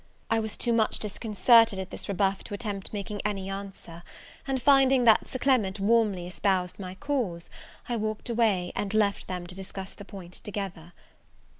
I was too much disconcerted at this rebuff to attempt making any answer: and finding that Sir Clement warmly espoused my cause, I walked away, and left them to discuss the point together.